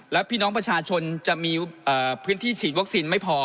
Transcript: และพี่น้องประชาชนจะมีพื้นที่ฉีดวัคซีนไม่พอ